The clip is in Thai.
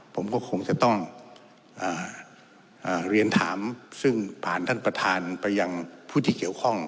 ผมก็คงจะต้องเรียนถามซึ่งผ่านท่านประธานไปยังผู้ที่เกี่ยวข้อง